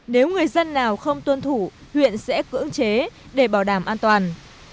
nếu người dân nào không tuân thủ huyện sẽ cưỡng chế để bảo đảm an toàn